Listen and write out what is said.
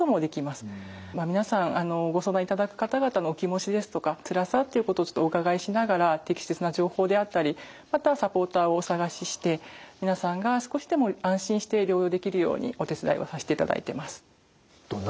皆さんご相談いただく方々のお気持ちですとかつらさっていうことをお伺いしながら適切な情報であったりまたサポーターをお探しして皆さんが少しでも安心して療養できるようにお手伝いをさしていただいてます。